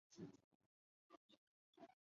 这些红色物质也覆盖了中心环的南半部。